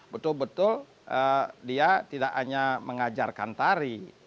betul betul dia tidak hanya mengajarkan tari